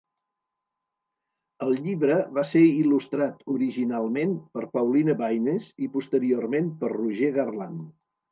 El llibre va ser il·lustrat originalment per Pauline Baynes i posteriorment per Roger Garland.